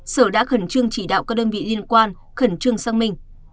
sở đã khẩn trương chỉ đạo các đơn vị liên quan khẩn trương sang minh